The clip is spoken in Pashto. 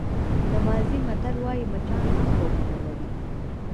د مازی متل وایي مچان هم غوږونه لري.